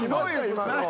今の。